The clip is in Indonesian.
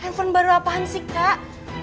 handphone baru apaan sih kak